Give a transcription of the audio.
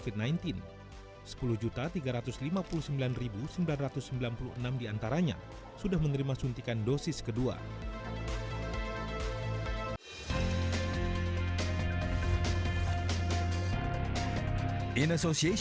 sepuluh tiga ratus lima puluh sembilan sembilan ratus sembilan puluh enam diantaranya sudah menerima suntikan dosis kedua